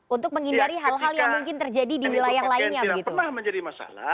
untuk menghindari hal hal yang mungkin terjadi di wilayah lainnya begitu